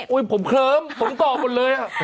อุ๊ยผมเขิมผมตอบหมดเลย